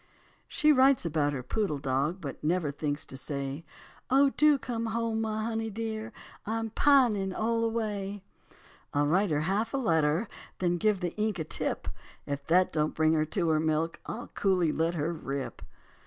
She writes about her poodle dog; But never thinks to say, "Oh, do come home, my honey dear, I'm pining all away." I'll write her half a letter, Then give the ink a tip. If that don't bring her to her milk I'll coolly let her rip.